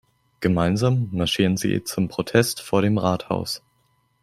Gemeinsam marschieren sie zum Protest vor dem Rathaus.